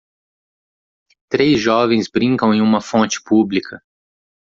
Três jovens brincam em uma fonte pública.